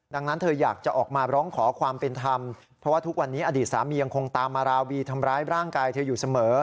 ดังนั้นเธออยากจะออกมาร้องขอความเป็นธรรมเพราะว่าทุกวันนี้อดีตสามียังคงตามมาราวีทำร้ายร่างกายเธออยู่เสมอ